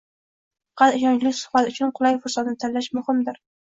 faqat, ishonchli suhbat uchun qulay fursatni tanlash muhimdir.